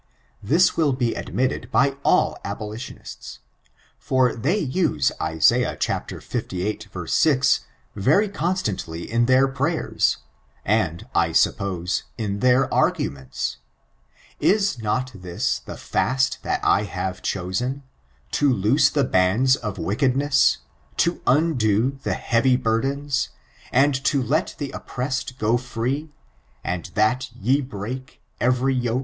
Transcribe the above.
This will be admitted by all abolitionists: for they use Isa. IviiL 6, very constantly in their prayers, and, I suppose, in their arguments :" Is not this the fjeist that I have chosen 1 to loose the bands of wickedness, to undo the heavy burdens; and to let the oppressed go free, and that ye break every yoke.'